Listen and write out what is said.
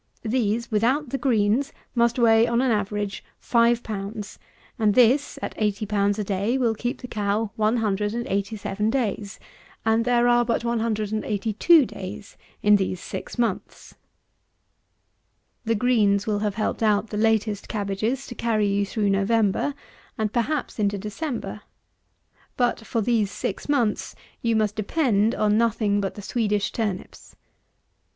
These, without the greens, must weigh, on an average, 5 pounds, and this, at 80 pounds a day, will keep the cow 187 days; and there are but 182 days in these six months. The greens will have helped put the latest cabbages to carry you through November, and perhaps into December. But for these six months, you must depend on nothing but the Swedish turnips.